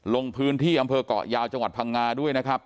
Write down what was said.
ลงพื้นที่อำเภอกเกาะยาวจังหวัดพังงาด้วยนะครับ